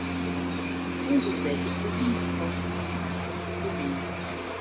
Condezaygues est limitrophe de cinq autres communes.